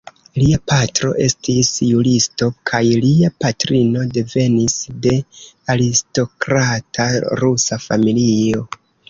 Lia patro estis juristo kaj lia patrino devenis de aristokrata rusa familio.